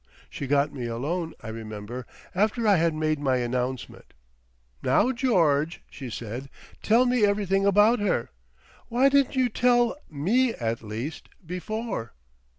She got me alone, I remember, after I had made my announcement. "Now, George," she said, "tell me everything about her. Why didn't you tell—ME at least—before?"